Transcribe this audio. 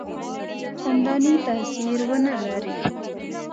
څنداني تاثیر ونه لري.